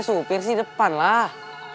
gak mau ngetir sih depan lah